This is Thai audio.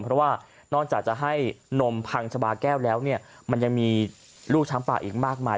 เพราะว่านอกจากจะให้นมพังชะบาแก้วแล้วเนี่ยมันยังมีลูกช้างป่าอีกมากมาย